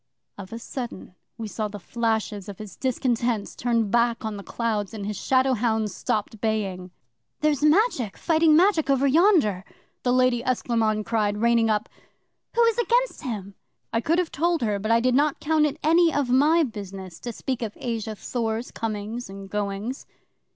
'Of a sudden we saw the flashes of his discontents turned back on the clouds, and his shadow hounds stopped baying. '"There's Magic fighting Magic over yonder," the Lady Esclairmonde cried, reigning up. "Who is against him?" 'I could have told her, but I did not count it any of my business to speak of Asa Thor's comings and goings.